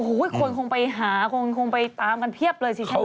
โอ้โหควรคงไปหาคงไปตามกันเพียบเลยใช่ไหม